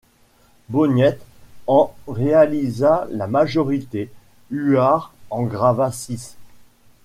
Baugniet en réalisa la majorité, Huart en grava six.